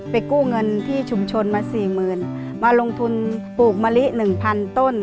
กู้เงินที่ชุมชนมาสี่หมื่นมาลงทุนปลูกมะลิ๑๐๐๐ต้น